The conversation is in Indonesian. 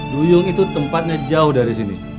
duyung itu tempatnya jauh dari sini